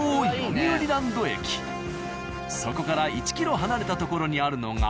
そこから１キロ離れたところにあるのが。